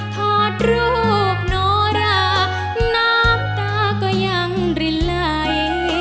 ถอดรูปโนราน้ำตาก็ยังรินไหล